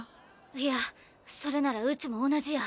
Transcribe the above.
いやそれならうちも同じや。